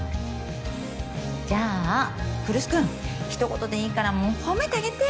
じゃあ来栖君ひと言でいいからもう褒めてあげて。